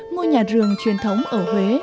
ngôi nhà giường truyền thống ở huế